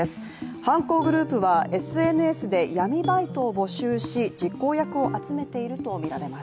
犯行グループは、ＳＮＳで闇バイトを募集し実行役を集めているとみられます。